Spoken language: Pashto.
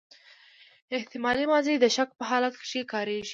احتمالي ماضي د شک په حالت کښي کاریږي.